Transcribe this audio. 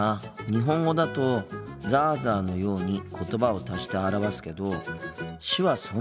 日本語だと「ザーザー」のように言葉を足して表すけど手話そのものを変えるんだな。